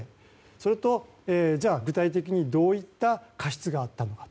それと具体的にどういった過失があったのか。